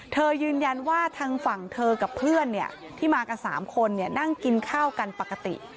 ยืนยันว่าทางฝั่งเธอกับเพื่อนที่มากับ๓คนนั่งกินข้าวกันปกติ